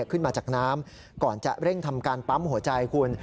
ขึ้นมาจากน้ำก่อนจะเร่งทำการปั๊มหัวใจคุณ